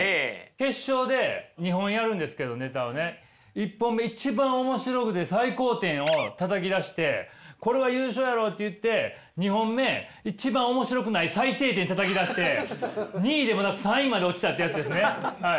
１本目一番面白くて最高点をたたき出してこれは優勝やろって言って２本目一番面白くない最低点たたき出して２位でもなく３位にまで落ちたってやつですね。